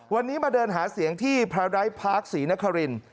วันนี้มาเดินหาเสียงที่พราวไดทพาร์คศรีนคริน